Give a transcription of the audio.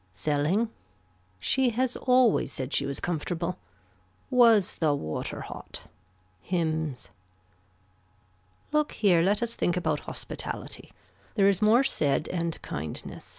Selling. She has always said she was comfortable. Was the water hot. Hymns. Look here let us think about hospitality. There is more said and kindness.